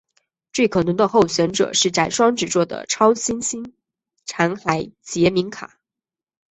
最可能的候选者是在双子座的超新星残骸杰敏卡。